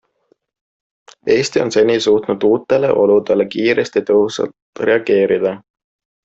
Eesti on seni suutnud uutele oludele kiiresti ja tõhusalt reageerida.